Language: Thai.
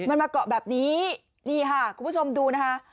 มันมาเกาะแบบนี้คุณผู้ชมดูนะคะ